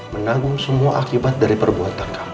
menanggung semua akibat dari perbuatan kami